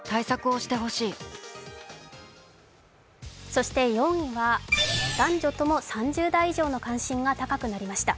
そして４位は、男女とも３０代以上の関心が高くなりました。